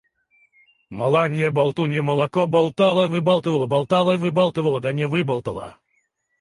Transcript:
Маланья-болтунья молоко болтала-выбалтывала, болтала-выбалтывала, да не выболтала.